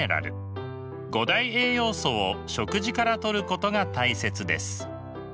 五大栄養素を食事からとることが大切です。